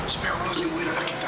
supaya allah limuin anak kita